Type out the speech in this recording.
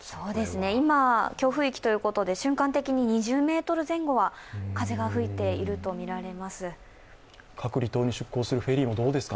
今、強風域ということで瞬間的に２０メートル前後は吹いているとみられます。